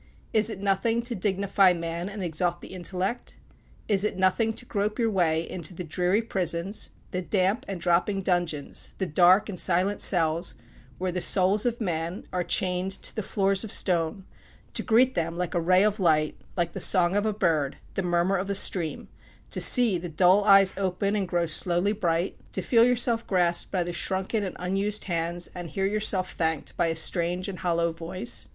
Is it nothing to dignify man and exalt the intellect? Is it nothing to grope your way into the dreary prisons, the damp and dropping dungeons, the dark and silent cells, where the souls of men are chained to the floors of stone, to greet them like a ray of light, like the song of a bird, the murmur of a stream, to see the dull eyes open and grow slowly bright, to feel yourself grasped by the shrunken and unused hands, and hear yourself thanked by a strange and hollow voice?